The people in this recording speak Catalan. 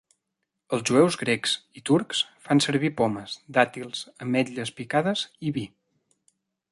Els jueus grecs i turcs fan servir pomes, dàtils, ametlles picades i vi.